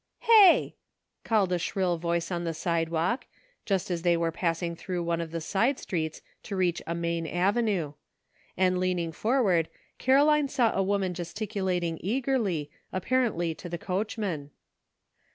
'* Hey !" called a shrill voice on the sidewalk, just as they were passing through one of the side streets to reach a main avenue ; and lean ing forward Caroline saw a woman gesticulating eagerly, apparently to the coachman.